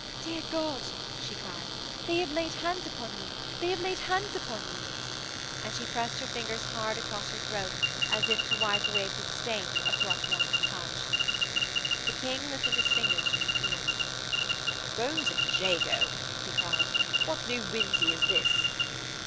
'Dear God,' she cried, 'they have laid hands upon me. They have laid hands upon me.' And she pressed her fingers hard across her throat as if to wipe away the stain of Throckmorton's touch. The King lifted his fingers from his ears. 'Bones of Jago,' he cried, 'what new whimsy is this?'